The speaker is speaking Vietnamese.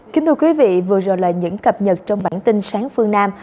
kính thưa quý vị vừa rồi là những cập nhật trong bản tin sáng phương nam